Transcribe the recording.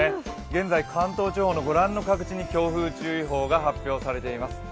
現在関東地方のご覧の各地に強風注意報が発表されています。